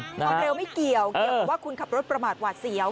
ความเร็วไม่เกี่ยวเกี่ยวกับว่าคุณขับรถประมาทหวาดเสียว